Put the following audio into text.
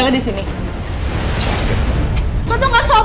papa ini sakit semenjak papa cerai sama mama